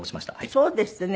そうですってね。